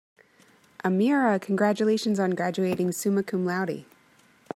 "Amira, congratulations on graduating summa cum laude."